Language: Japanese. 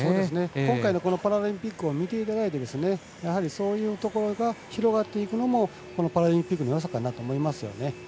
今回のパラリンピックを見ていただいてそういうところが広がっていくのもパラリンピックのよさかなと思います。